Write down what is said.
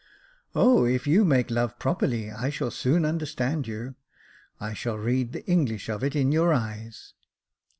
" O, if you make love properly, I shall soon understand you ; I shall read the English of it in your eyes."